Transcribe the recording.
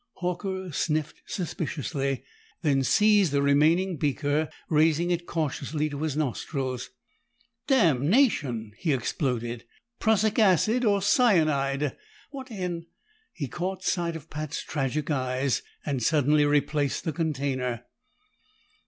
Horker sniffed suspiciously, then seized the remaining beaker, raising it cautiously to his nostrils. "Damnation!" he exploded. "Prussic acid or cyanide! What in " He caught sight of Pat's tragic eyes, and suddenly replaced the container.